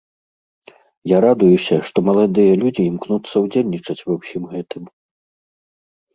Я радуюся, што маладыя людзі імкнуцца ўдзельнічаць ва ўсім гэтым.